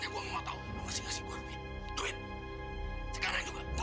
jangan lo bukan dari tadi aja lo